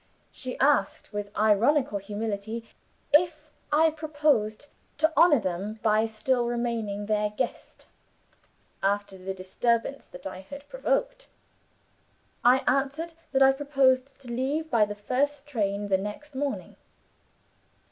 She asked, with ironical humility, if I proposed to honor them by still remaining their guest, after the disturbance that I had provoked. I answered that I proposed to leave by the first train the next morning.